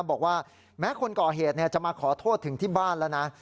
บอกว่าแม้คนก่อเหตุจะมาขอโทษถึงที่บ้านแล้วนะ